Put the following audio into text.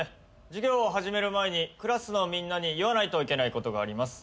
授業を始める前にクラスのみんなに言わないといけないことがあります。